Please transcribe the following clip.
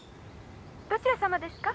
どちら様ですか？」